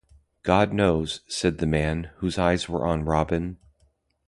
"God knows" said the man, whose eyes were on Robyn.